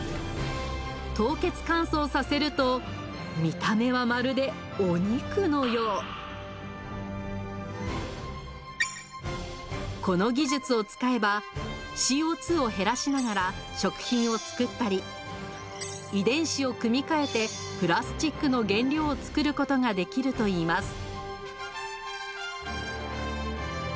凍結乾燥させると見た目はまるでお肉のようこの技術を使えばＣＯを減らしながら食品を作ったり遺伝子を組み換えてプラスチックの原料を作ることができるといいます